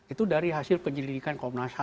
itu dari hasil penyelidikan komnas ham